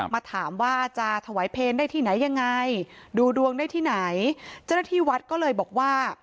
มาถามว่าจะถวายเพลงได้ที่ไหนยังไงดูดวงได้ที่ไหนเจ้าหน้าที่วัดก็เลยบอกว่า